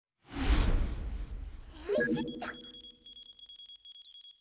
よいしょっと。